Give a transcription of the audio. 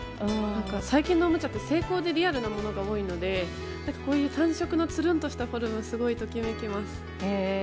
最近のおもちゃは精巧でリアルなものが多いのでこういう単色のつるんとしたフォルム、ときめきますね。